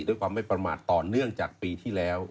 ด้วยความไม่ประมาทต่อเนื่องจากปีที่แล้ว